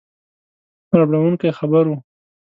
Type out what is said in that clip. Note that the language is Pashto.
ربړوونکی خبر وو.